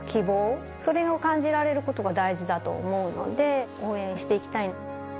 それを感じられることが大事だと思うので応援して行きたい。